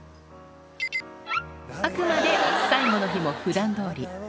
あくまで最後の日もふだんどおり。